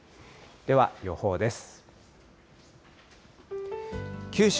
では予報です。